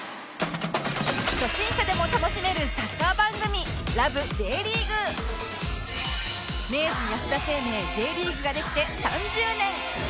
初心者でも楽しめるサッカー番組明治安田生命 Ｊ リーグができて３０年！